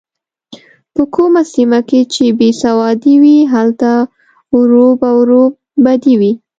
په کومه سیمه کې چې بې سوادي وي هلته وره په وره بدي وي.